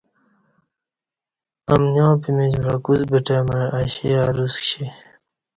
امنیاں پمیچ وعکوس بٹہ مع اشی ا رس کشی